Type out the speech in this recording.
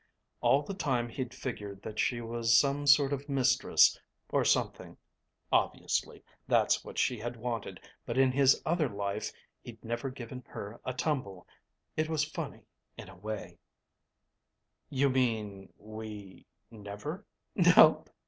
All the time he'd figured that she was some sort of mistress, or something obviously that's what she had wanted, but in his other life he'd never given her a tumble. It was funny, in a way. "You mean ... we never..."